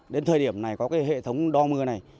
đến thời điểm này có cái hệ thống đo mưa này